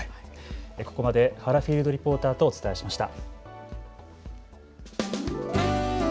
ここまで原フィールドリポーターとお伝えしました。